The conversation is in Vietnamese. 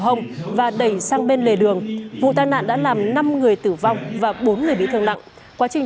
hông và đẩy sang bên lề đường vụ tai nạn đã làm năm người tử vong và bốn người bị thương nặng quá trình